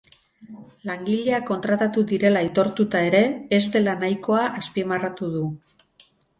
Langileak kontratatu direla aitortuta ere, ez dela nahikoa azpimarratu du.